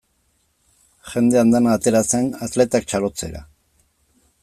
Jende andana atera zen atletak txalotzera.